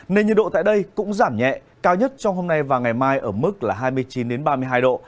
nên nhiệt độ tại đây cũng giảm nhẹ cao nhất trong hôm nay và ngày mai ở mức là hai mươi chín ba mươi hai độ